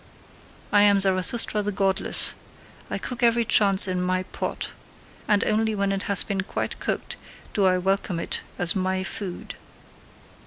I am Zarathustra the godless! I cook every chance in MY pot. And only when it hath been quite cooked do I welcome it as MY food.